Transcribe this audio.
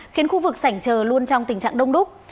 khiến khu vực sảnh chờ luôn trong tình trạng đông đúc